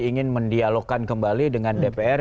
ingin mendialogkan kembali dengan dpr